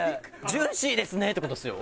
「ジューシーですね」って事ですよ？